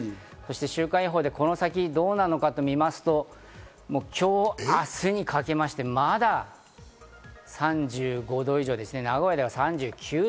週間予報でこの先どうなるのか見てみますと、今日、明日にかけまして、まだ３５度以上、名古屋では３９度。